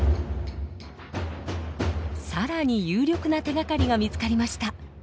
更に有力な手がかりが見つかりました。